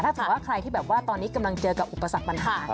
ถ้าสมมุติว่าใครที่แบบว่าตอนนี้กำลังเจอกับอุปสรรคปัญหา